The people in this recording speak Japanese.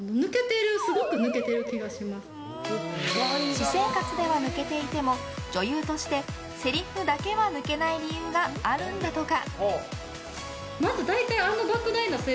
私生活では抜けていても女優としてせりふだけは抜けない理由があるんだとか。